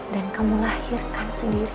dan kamu lahirkan sendiri